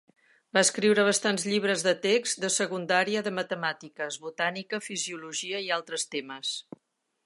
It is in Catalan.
Va escriure bastants llibres de text de secundària de matemàtiques, botànica, fisiologia i altres temes.